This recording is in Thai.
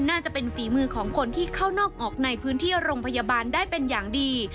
น่าจะเป็นฝีมือของคนที่เข้านอกออกในพื้นที่โรงพยาบาลได้เป็นอย่างดี